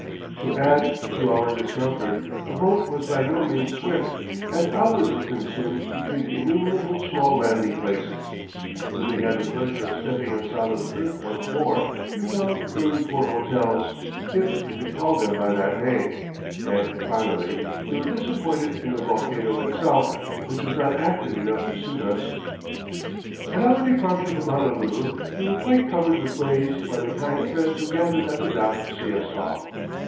To add to our discomfort, the boat was by no means swift, and hours were consumed between the innumerable small landing places. When we had the pleasure of stepping on solid earth once more, we found very poor hotels, if you could call them by that name, and finally, we were disappointed in the volcano itself, which was not active enough to suit us. [Illustration: LEPER COLONY, ISLAND OF MOLOKAI.] At our departure from Honolulu, we were quite covered with leis by the kind friends who gathered at the dock to see us off.